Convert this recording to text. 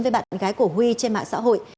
với bạn gái của huy trên mạng xã hội